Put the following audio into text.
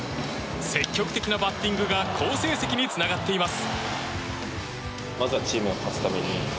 積極的なバッティングが好成績につながっています。